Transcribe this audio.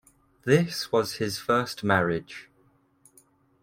This was his first marriage.